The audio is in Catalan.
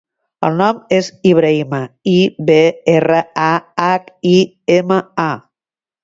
El nom és Ibrahima: i, be, erra, a, hac, i, ema, a.